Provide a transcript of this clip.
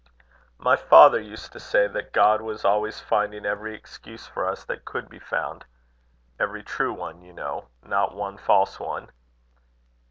"My father used to say that God was always finding every excuse for us that could be found; every true one, you know; not one false one."